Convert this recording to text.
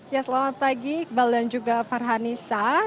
ya selamat pagi iqbal dan juga farhanisa